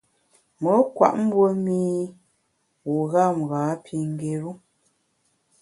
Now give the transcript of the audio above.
Me nkwet mbue mî u gham ghâ pi ngéru.